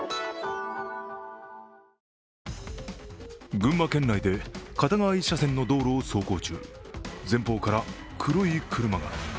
群馬県内で片側一車線の道路を走行中、前方から黒い車が。